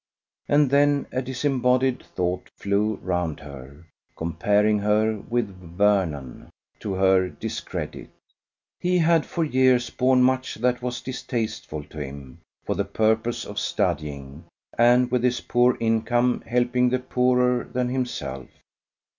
And then a disembodied thought flew round her, comparing her with Vernon to her discredit. He had for years borne much that was distasteful to him, for the purpose of studying, and with his poor income helping the poorer than himself.